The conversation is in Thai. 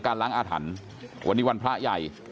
ล้างอาถรรพ์วันนี้วันพระใหญ่